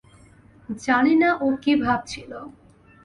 জানি না ও কী ভাবছিল।